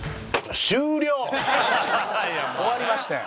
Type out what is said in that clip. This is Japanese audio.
終わりましたやん。